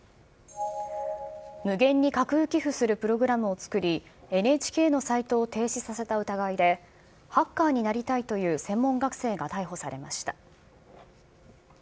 無限に架空寄付するプログラムを作り、ＮＨＫのサイトを停止させた疑いで、ハッカーになりたいという専門学生が逮捕されました。